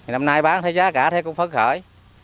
năm nay bán thấy giá cả thấy cũng phấn khởi